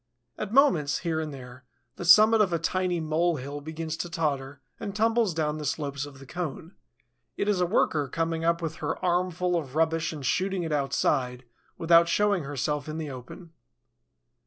At moments, here and there, the summit of a tiny mole hill begins to totter and tumbles down the slopes of the cone: it is a worker coming up with her armful of rubbish and shooting it outside, without showing herself in the open.